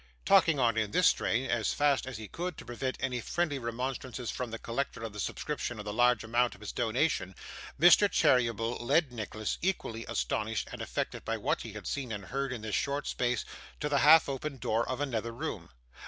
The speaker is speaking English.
Talking on in this strain, as fast as he could, to prevent any friendly remonstrances from the collector of the subscription on the large amount of his donation, Mr. Cheeryble led Nicholas, equally astonished and affected by what he had seen and heard in this short space, to the half opened door of another room.